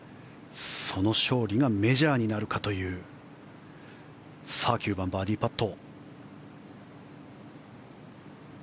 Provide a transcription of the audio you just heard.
その勝利がメジャーになるかという９番、バーディーパット。